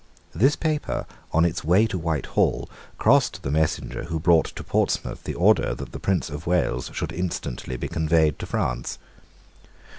This paper on its way to Whitehall crossed the messenger who brought to Portsmouth the order that the Prince of Wales should instantly be conveyed to France.